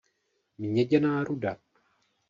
Měděná ruda.